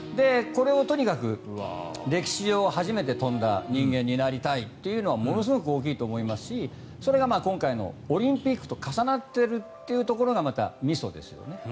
これをとにかく歴史上初めて跳んだ人間になりたいというのはものすごく大きいと思いますしそれが今回のオリンピックと重なっているところがまたみそですよね。